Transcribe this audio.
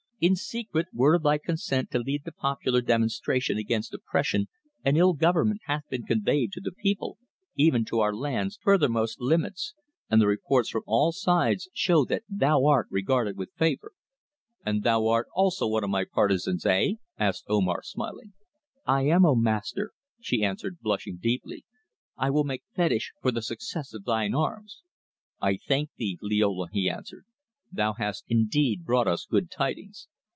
In secret, word of thy consent to lead the popular demonstration against oppression and ill government hath been conveyed to the people even to our land's furthermost limits, and the reports from all sides show that thou art regarded with favour." "And thou art also one of my partisans eh?" asked Omar, smiling. "I am, O Master," she answered blushing deeply. "I will make fetish for the success of thine arms." "I thank thee, Liola," he answered. "Thou hast indeed brought us good tidings."